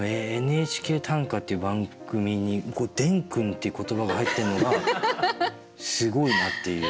「ＮＨＫ短歌」っていう番組に「デンくん」っていう言葉が入ってるのがすごいなっていう。